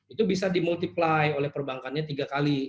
itu bisa dimultiply oleh perbankannya tiga kali